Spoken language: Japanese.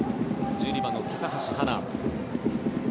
１２番の高橋はな。